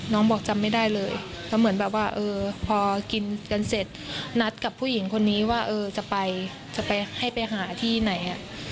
บอกจำไม่ได้เลยก็เหมือนแบบว่าเออพอกินกันเสร็จนัดกับผู้หญิงคนนี้ว่าเออจะไปจะไปให้ไปหาที่ไหน